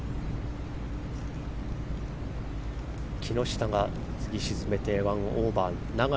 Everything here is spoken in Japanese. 木下が次を沈めて１オーバー。